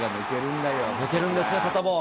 抜けるんですね、サタボー。